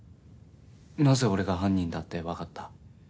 なぜ俺が犯人だって分かった？